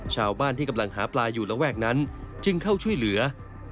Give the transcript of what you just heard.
ชาวบ้านที่กำลังหาปลาอยู่ระแวกนั้นจึงเข้าช่วยเหลือ